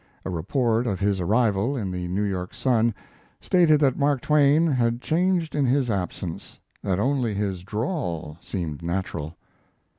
A report of his arrival, in the New York Sun, stated that Mark Twain had changed in his absence; that only his drawl seemed natural.